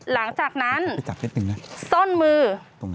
หลังจากนั้นส้นมือ